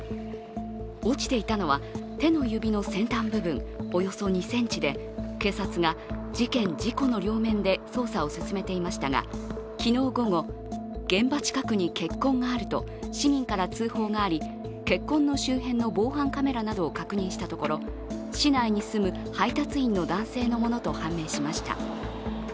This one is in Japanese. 落ちていたのは手の指の先端部分およそ２ｃｍで警察が事件・事故の両面で捜査を進めていましたが、昨日午後、現場近くに血痕があると市民から通報があり血痕の周辺の防犯カメラなどを確認したところ市内に住む配達員の男性のものと判明しました。